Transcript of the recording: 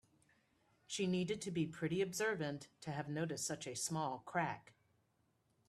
She needed to be pretty observant to have noticed such a small crack.